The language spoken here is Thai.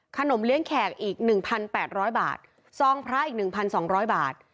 ขนมเลี้ยงแขกอีกหนึ่งพันแปดร้อยบาทซองพระอีกหนึ่งพันสองร้อยบาท